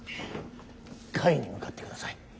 甲斐に向かってください。